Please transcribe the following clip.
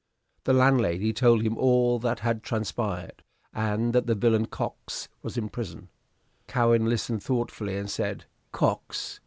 The landlady told him all that had transpired, and that the villain Cox was in prison. Cowan listened thoughtfully, and said "Cox!